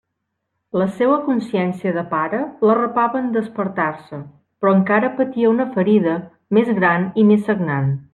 La seua consciència de pare l'arrapava en despertar-se, però encara patia una ferida més gran i més sagnant.